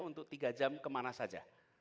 untuk tiga jam kemana saja